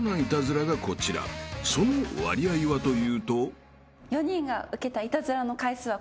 ［その割合はというと］